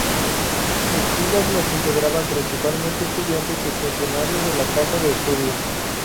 Sus filas las integraban principalmente estudiantes y funcionarios de la casa de estudios.